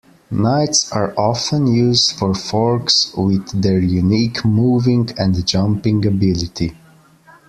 Knights are often used for forks, with their unique moving and jumping ability.